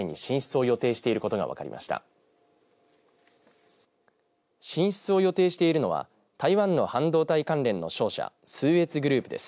進出を予定しているのは台湾の半導体関連の商社崇越グループです。